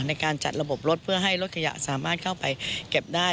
ในการจัดระบบรถเพื่อให้รถขยะสามารถเข้าไปเก็บได้